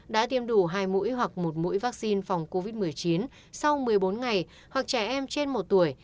đã tiêm đủ hai mũi hoặc một mũi vaccine phòng covid một mươi chín sau một mươi bốn ngày hoặc trẻ em trên một tuổi